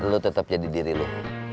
lo tetap jadi diri lu